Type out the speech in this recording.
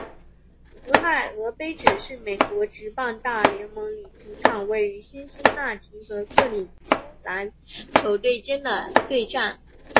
俄亥俄杯指的是美国职棒大联盟里主场位于辛辛那提和克里夫兰球队间的对战。